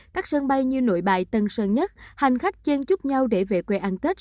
các sân bay như nội bài tân sơn nhất hành khách chen chúc nhau để về quê ăn tết